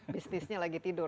bisnisnya lagi tidur